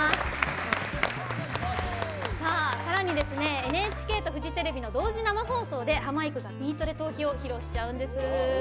さらに、ＮＨＫとフジテレビの同時生放送で、ハマいくが「ビートＤＥトーヒ」を披露しちゃうんです。